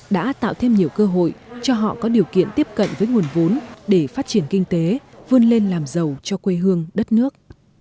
đã tạo thêm nhiều cơ hội cho họ có điều kiện tiếp cận với nguồn vốn để phát triển kinh tế vươn lên làm giàu cho quê hương đất nước